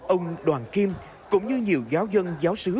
ông đoàn kim cũng như nhiều giáo dân giáo sứ